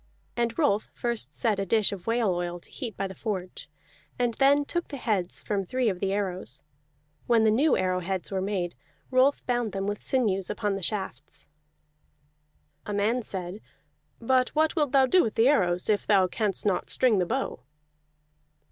And Rolf first set a dish of whale oil to heat by the forge, and then took the heads from three of the arrows. When the new arrow heads were made, Rolf bound them with sinews upon the shafts. A man said: "But what wilt thou do with the arrows if thou canst not string the bow?"